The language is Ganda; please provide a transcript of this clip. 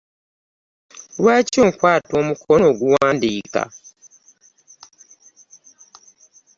Lwaki onkwata omukono oguwandiika?